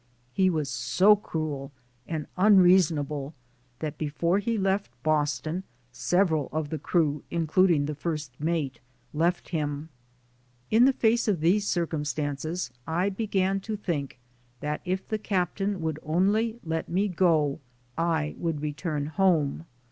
He was so cruel and unreason able that before he left Boston several of the crew, including the first mate, left him. In the face of these circumstances I began to think that if the captain would only let me go, I would return home.